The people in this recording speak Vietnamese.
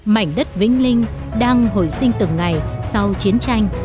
mảnh đất vĩnh linh đang hồi sinh từng ngày sau chiến tranh